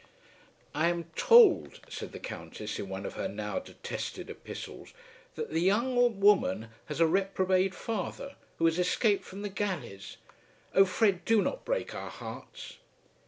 "I am told," said the Countess, in one of her now detested epistles, "that the young woman has a reprobate father who has escaped from the galleys. Oh, Fred, do not break our hearts."